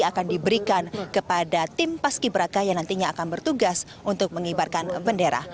akan diberikan kepada tim paski beraka yang nantinya akan bertugas untuk mengibarkan bendera